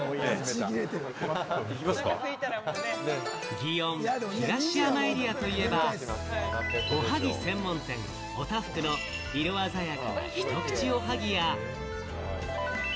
祇園東山エリアといえば、おはぎ専門店・小多福の色鮮やかな